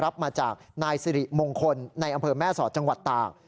รับมาจากนายสิริมงคลในอำเภอแม่สอดจังหวัดตาก